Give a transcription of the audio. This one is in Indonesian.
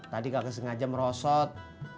tadi gak kesengaja merosot